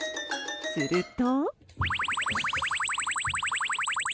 すると。